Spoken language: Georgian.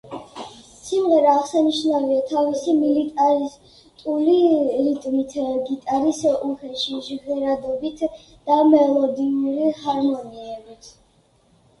სიმღერა აღსანიშნავია თავისი მილიტარისტული რიტმით, გიტარის უხეში ჟღერადობით და მელოდიური ჰარმონიებით.